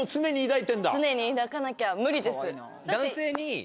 常に抱かなきゃ無理です。